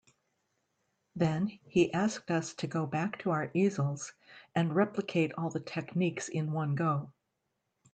Then, he asked us to go back to our easels and replicate all the techniques in one go.